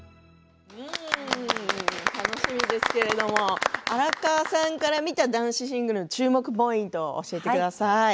楽しみですけれども荒川さんから見た男子シングルの注目ポイントを教えてください。